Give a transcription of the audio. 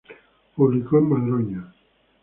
Publicó en Madroño.